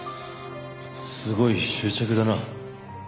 すごい執着だな。